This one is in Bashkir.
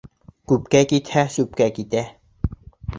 Күпкә китһә, сүпкә китә.